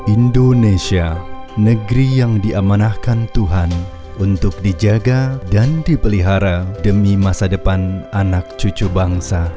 indonesia negeri yang diamanahkan tuhan untuk dijaga dan dipelihara demi masa depan anak cucu bangsa